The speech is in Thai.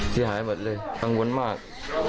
เสียหายมากเลยตังค์วนมาก